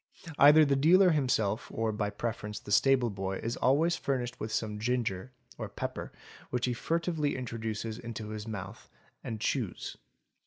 Either the dealer himself or by preference the stable boy is always furnished with some ginger (or pepper) which he furtively introduces into his mouth and chews.